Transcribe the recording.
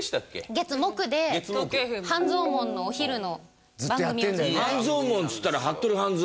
月木で半蔵門のお昼の番組をずっと。